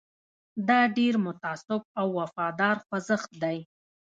دا ډېر متعصب او وفادار خوځښت دی.